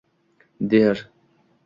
Der: